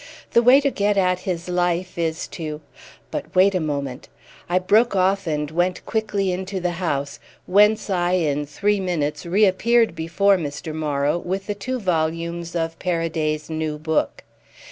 "The way to get at his life is to—But wait a moment!" I broke off and went quickly into the house, whence I in three minutes reappeared before Mr. Morrow with the two volumes of Paraday's new book.